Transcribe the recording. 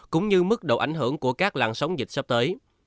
cũng như mức độ ảnh hưởng của các làn sóng dịch sắp tới